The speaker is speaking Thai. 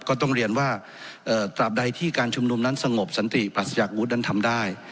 ก็ต้องเรียนว่าตราบใดที่การชุมนุมนั้นสงบสันติปราศจากวุฒินั้นทำได้